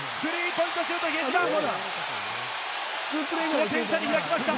５点差に開きました。